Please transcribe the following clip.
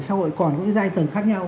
xã hội còn có cái giai tầng khác nhau